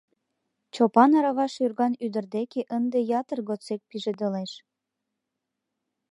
Чопан арава шӱрган ӱдыр деке ынде ятыр годсек пижедылеш.